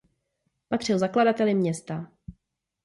Patřil zakladateli města.